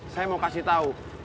saya mau kasih tau